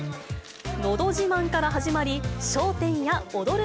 のど自慢から始まり、笑点や踊る！